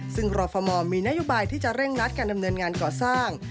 ซึ่งรฟมมีนโยบายที่จะเร่งรัดการดำเนินงานก่อสร้าง